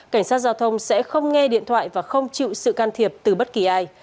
cảnh sát giao thông sẽ không nghe điện thoại và không chịu sự can thiệp từ bất kỳ ai